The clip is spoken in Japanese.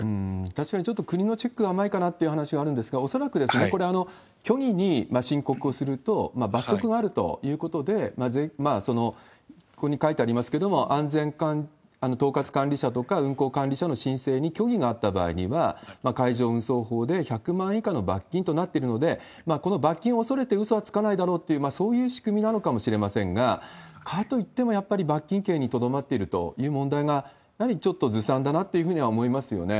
確かにちょっと国のチェックが甘いかなっていう話はあるんですが、恐らくこれは虚偽に申告をすると、罰則があるということで、ここに書いてありますけれども、安全統括管理者とか運航管理者の申請に虚偽があった場合には、海上運送法で１００万円以下の罰金となっているので、この罰金を恐れてうそはつかないだろうっていう、そういう仕組みなのかもしれませんが、かといっても、やっぱり罰金刑にとどまっているという問題が、やはりちょっとずさんだなというふうには思いますよね。